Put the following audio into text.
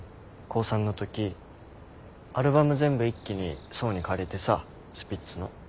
高３のときアルバム全部一気に想に借りてさスピッツの。